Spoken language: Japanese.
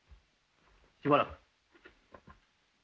しばらく。